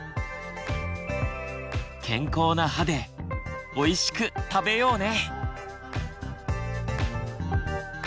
健康な歯でおいしく食べようね！